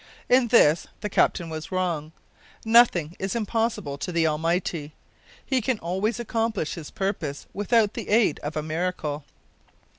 In this the captain was wrong. Nothing is impossible to the Almighty. He can always accomplish his purposes without the aid of a miracle.